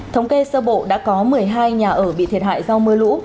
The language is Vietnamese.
thống kê sơ bộ đã có một mươi hai nhà ở bị thiệt hại do mưa lũ